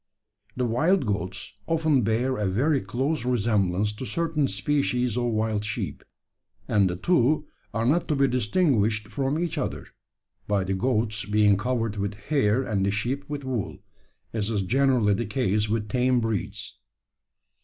The wild goats often bear a very close resemblance to certain species of wild sheep; and the two are not to be distinguished from each other, by the goats being covered with hair and the sheep with wool as is generally the case with tame breeds.